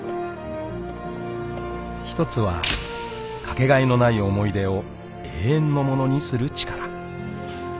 ［１つはかけがえのない思い出を永遠のものにする力］